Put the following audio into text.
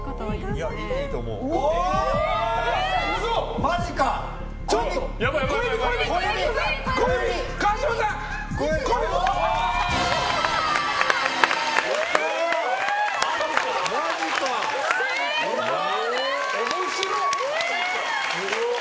すごい！